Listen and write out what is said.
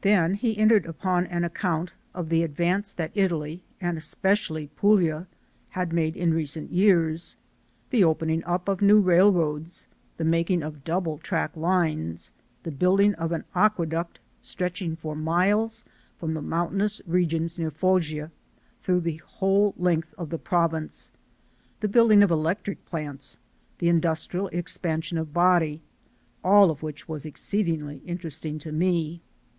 Then he entered upon an account of the advance 306THE SOUL OF AN IMMIGRANT that Italy, and especially Puglia, had made in recent years ; the opening up of new railroads, the making of double track lines, the building of an aqueduct stretching for miles from the mountainous regions near Foggia through the whole length of the province, the building of electric plants, the indus trial expansion of Bari, all of which was exceedingly interesting to me.